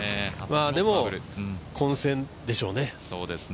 でも、混戦でしょうね。